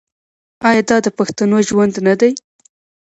آیا دا د پښتنو ژوند نه دی؟